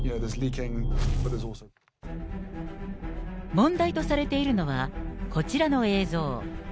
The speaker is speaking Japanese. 問題とされているのは、こちらの映像。